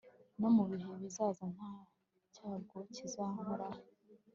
no mu bihe bizaza nta cyago kizankoraho